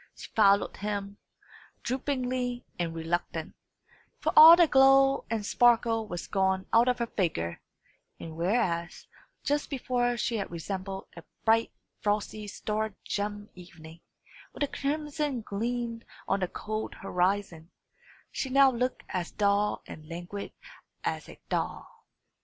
She followed him, droopingly and reluctant; for all the glow and sparkle was gone out of her figure; and whereas just before she had resembled a bright frosty, star gemmed evening, with a crimson gleam on the cold horizon, she now looked as dull and languid as a thaw.